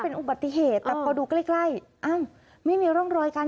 เป็นอุบัติเหตุแต่พอดูใกล้ใกล้อ้าวไม่มีร่องรอยการ